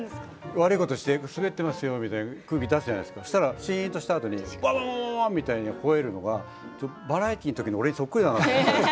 悪いことしてスベってますよみたいな空気出すじゃないですかそうしたらシンとしたあとに「ワンワン！」みたいにほえるのがバラエティーの時の俺にそっくりだなと思って。